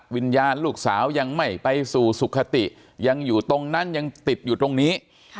วิญญาณลูกสาวยังไม่ไปสู่สุขติยังอยู่ตรงนั้นยังติดอยู่ตรงนี้